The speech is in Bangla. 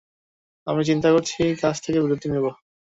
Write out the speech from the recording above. আমি চিন্তা করছি কাজ থেকে বিরতি নিব।